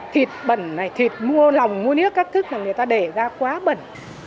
thịt bẩn này thịt mua lòng mua nước các thứ này người ta để ra quá bẩn